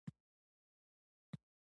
د ګراکچوس دغه پلان سختې اندېښنې را وپارولې.